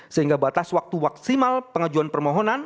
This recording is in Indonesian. sehingga batas waktu maksimal pengajuan permohonan